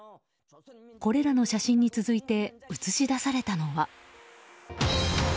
これらの写真に続いて映し出されたのは。